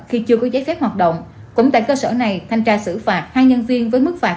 khi chưa có giấy phép hoạt động cũng tại cơ sở này thanh tra xử phạt hai nhân viên với mức phạt